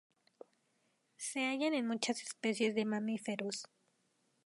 Se hallan en muchas especies de mamíferos.